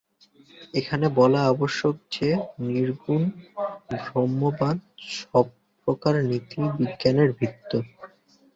এখানে বলা আবশ্যক যে, নির্গুণ ব্রহ্মবাদই সর্বপ্রকার নীতিবিজ্ঞানের ভিত্তি।